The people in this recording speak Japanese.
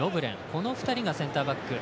この２人がセンターバック。